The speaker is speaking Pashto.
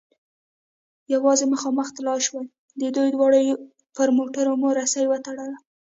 یوازې مخامخ تلای شوای، د دوی دواړو پر موټرو مو رسۍ و تړل.